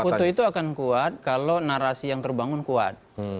foto itu akan kuat kalau narasi yang terbangun kuat